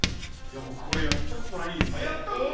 僕これやったことないんですよ。